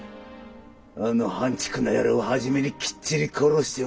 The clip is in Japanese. あの半ちくな野郎を初めにきっちり殺して